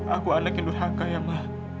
aku anak yang lurhaka ya ma